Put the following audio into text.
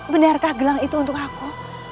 benarkah gelang itu untuk aku